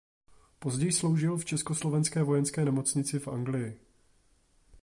Později sloužil v Československé vojenské nemocnici v Anglii.